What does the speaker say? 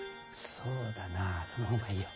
そうだなその方がいいよ。